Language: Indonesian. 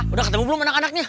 udah ketemu belum anak anaknya